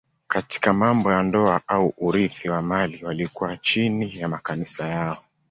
Katika mambo ya ndoa au urithi wa mali walikuwa chini ya makanisa yao.